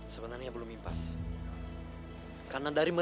tujuh dua orang suku kita adalah